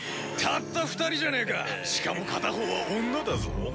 たった２人じゃねえかしかも片方は女だぞ。